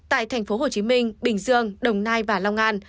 tại thành phố hồ chí minh bình dương đồng nai và long an